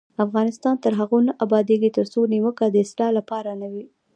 افغانستان تر هغو نه ابادیږي، ترڅو نیوکه د اصلاح لپاره نه وي.